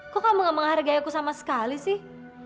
kok kamu gak menghargai aku sama sekali sih